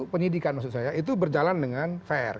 penyidikan maksud saya itu berjalan dengan fair